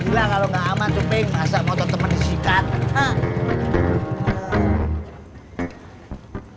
udah kalau gak aman cupping masa motor teman disihkan